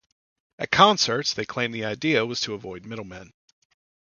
At concerts, they claimed the idea was to avoid middlemen.